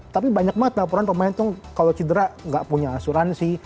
tapi banyak banget laporan pemain itu kalau cedera gak punya asuransi